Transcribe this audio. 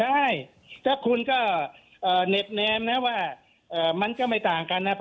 ได้ถ้าคุณก็เน็ตแนมนะว่ามันก็ไม่ต่างกันเขี้ยนะ